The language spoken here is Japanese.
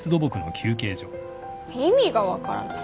意味が分からない。